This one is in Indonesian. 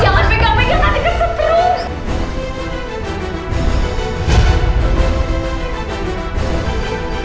jangan pegang pegang nanti kesetrum